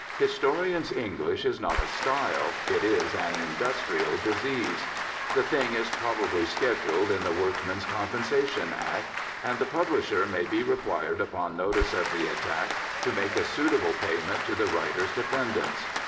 Historians' English is not a style; it is an industrial disease. The thing is probably scheduled in the Workmen's Compensation Act, and the publisher may be required upon notice of the attack to make a suitable payment to the writer's dependants.